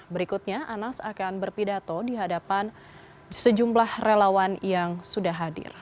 berikutnya anas akan berpidato di hadapan sejumlah relawan yang sudah hadir